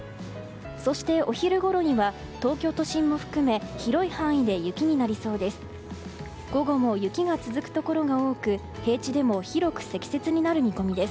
そしてお昼ごろには東京都心も含め広い範囲で雪になりそうです。